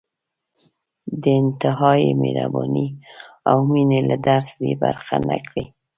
د انتهايي مهربانۍ او مېنې له درس بې برخې نه کړي.